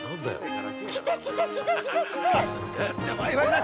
◆来て来て来て来て来て！